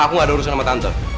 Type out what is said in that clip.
aku gak ada urusan sama tante